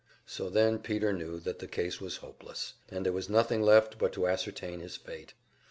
So then Peter knew that the case was hopeless, and there was nothing left but to ascertain his fate.